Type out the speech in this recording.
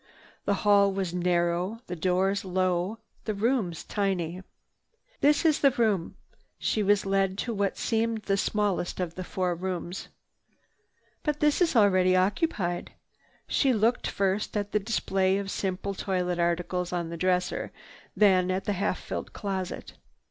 The hall was narrow, the doors low, the rooms tiny. "This is the room." She was led to what seemed the smallest of the four rooms. "But this is already occupied." She looked first at the display of simple toilet articles on the dresser, then at the half filled closet.